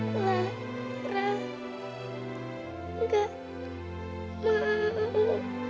lara gak mau